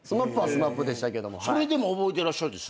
それでも覚えてらっしゃるってすごいですね。